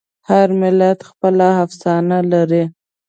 هر ملت خپله افسانه لري.